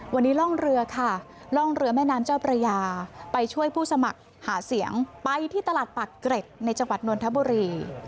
วันนี้ร่องเรือค่ะล่องเรือแม่น้ำเจ้าพระยาไปช่วยผู้สมัครหาเสียงไปที่ตลาดปากเกร็ดในจังหวัดนนทบุรี